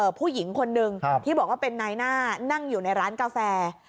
ผู้หญิงคนนึงที่บอกว่าเป็นนายหน้านั่งอยู่ในร้านกาแฟ